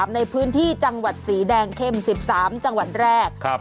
ในพื้นที่จังหวัดสีแดงเข้ม๑๓จังหวัดแรก